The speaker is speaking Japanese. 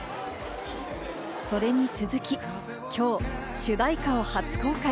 それに続き、きょう主題歌を初公開。